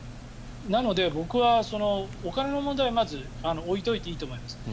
なので、僕はお金の問題はまず置いておいていいと思います。